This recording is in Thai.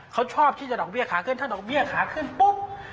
เขาชอบที่จะดอกเบี้ยขาขึ้นถ้าดอกเบี้ยขาขึ้นปุ๊บ